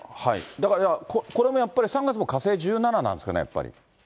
だから、これもやっぱり３月も火星１７なんですかね、やっぱり。